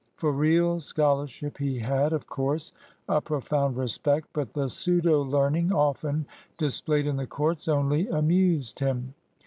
For real scholarship he had, of course, a profound respect, but the pseudo learning often displayed in the courts only amused him.